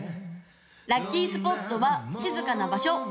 ・ラッキースポットは静かな場所